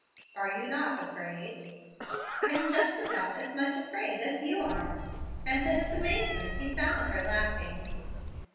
"Are you not afraid?" "I am just about as much afraid as you are"; and, to his amazement, he found her laughing.